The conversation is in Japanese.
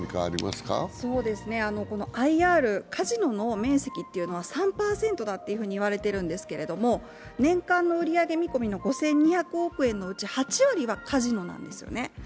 ＩＲ、カジノの面積は３％だと言われているんですけど、年間の売り上げ見込みの５２００億円のうち８割がカジノなんですよね。